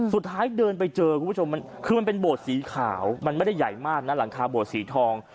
สุดท้ายเดินไปเจอคุณผู้ชมมันคือมันเป็นโบสถสีขาวมันไม่ได้ใหญ่มากนะหลังคาโบสถสีทอง